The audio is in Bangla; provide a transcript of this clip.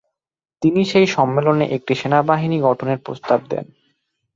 তিনি সেই সম্মেলনে একটি সেনাবাহিনী গঠনের প্রস্তাব দেন।